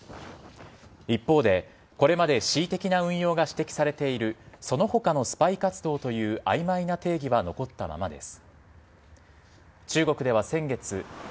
一方で、これまで恣意的な運用が指摘されているその他のスパイ活動という曖昧な定義は残ったままです。